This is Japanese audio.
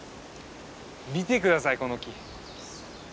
見て下さいこの木。